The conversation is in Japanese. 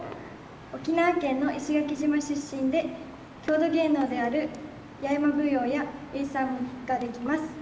沖縄県の石垣島出身で郷土芸能である八重山舞踊やエイサーができます。